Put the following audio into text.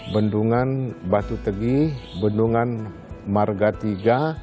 bendungan batu tegih bendungan marga tiga